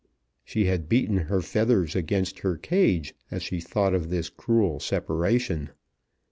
She had beaten her feathers against her cage, as she thought of this cruel separation.